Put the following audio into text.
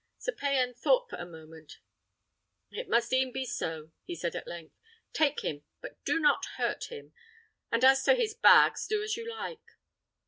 Sir Payan thought for a moment. "It must e'en be so," said he at length. "Take him, but do not hurt him; and as to his bags, do as you like."